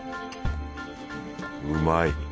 うまい。